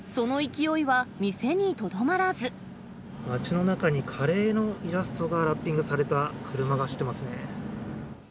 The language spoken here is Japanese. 街の中に、カレーのイラストがラッピングされた車が走ってますね。